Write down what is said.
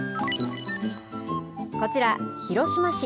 こちら、広島市。